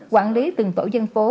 quản lý từng tổ dân phố